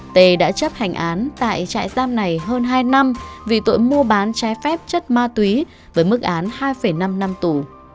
tê đã chấp hành án tại trại giam này hơn hai năm vì tội mua bán trái phép chất ma túy với mức án hai năm năm tù